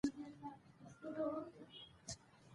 هغه د پښتو ادبي غورځنګ ملاتړ کړی.